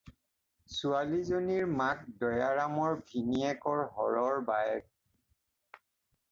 ছোৱালীজনীৰ মাক দয়াৰামৰ ভিনীহিয়েক হৰৰ বায়েক।